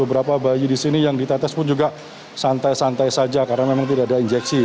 beberapa bayi di sini yang ditetes pun juga santai santai saja karena memang tidak ada injeksi